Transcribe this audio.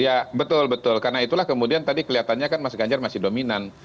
ya betul betul karena itulah kemudian tadi kelihatannya kan mas ganjar masih dominan